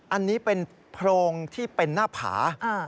อันนี้เป็นโพรงที่เป็นหน้าผา